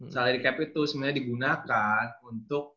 salary cap itu sebenarnya digunakan untuk